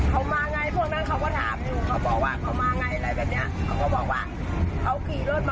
แต่เพื่อนเขาผู้หญิงกับผู้ชายที่มาด้วยอ่ะแล้วเขาคงซ้อนกันสองคนนะนะ